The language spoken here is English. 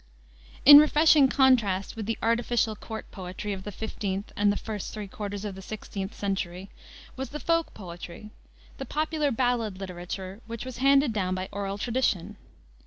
In refreshing contrast with the artificial court poetry of the 15th and first three quarters of the 16th century, was the folk poetry, the popular ballad literature which was handed down by oral tradition.